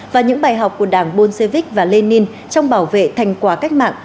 và những bài học của đảng bolshevik và lenin trong bảo vệ thành quả cách mạng